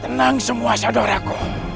tenang semua sadar aku